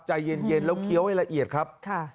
ใจเย็นแล้วเคี้ยวให้ละเอียดครับ